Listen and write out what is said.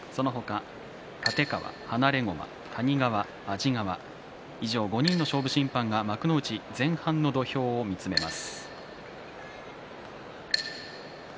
その他、立川、放駒谷川、安治川以上５人の審判が幕内前半の土俵を見つめます。